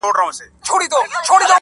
وي د غم اوږدې كوڅې په خامـوشۍ كي.